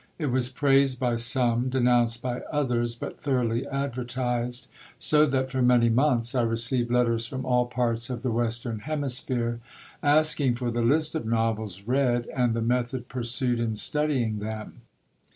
It was praised by some, denounced by others, but thoroughly advertised, so that, for many months, I received letters from all parts of the Western Hemisphere, asking for the list of novels read and the method pursued in studying them.